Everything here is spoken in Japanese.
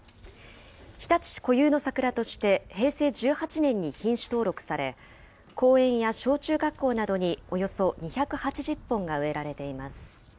日立市固有の桜として平成１８年に品種登録され、公園や小中学校などにおよそ２８０本が植えられています。